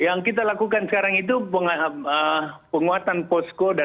yang kita lakukan sekarang itu penguatan posko dan berjalan